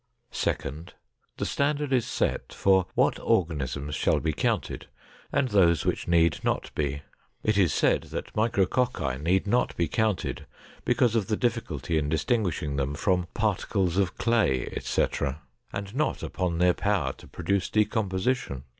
Second. The standard is set for what organisms shall be counted and those which need not be. It is said that micrococci need not be counted because of the difficulty in distinguishing them from "particles of clay, etc.," and not upon their power to produce decomposition.